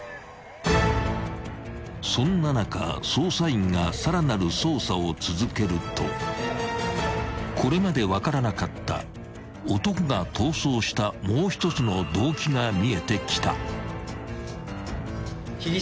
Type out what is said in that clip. ［そんな中捜査員がさらなる捜査を続けるとこれまで分からなかった男が逃走したもう一つの動機が見えてきた］